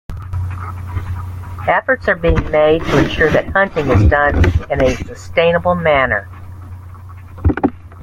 Efforts are being made to ensure that hunting is done in a sustainable manner.